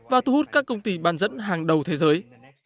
và thu hút các công ty bán dẫn hàng đầu thế giới